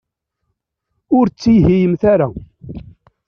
Ur ttihiyemt ara.